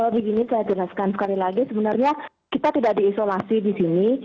begini saya jelaskan sekali lagi sebenarnya kita tidak diisolasi di sini